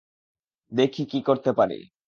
দেখি কী করতে পারি।